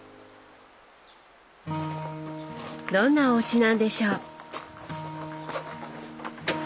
どんなおうちなんでしょう？